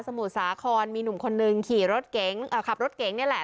มุทรสาครมีหนุ่มคนนึงขี่รถเก๋งขับรถเก๋งนี่แหละ